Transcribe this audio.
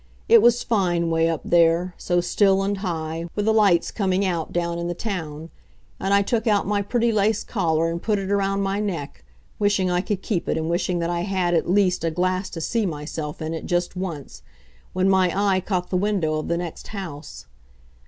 It was fine 'way up there, so still and high, with the lights coming out down in the town. And I took out my pretty lace collar and put it around my neck, wishing I could keep it and wishing that I had, at least, a glass to see myself in it just once, when my eye caught the window of the next house.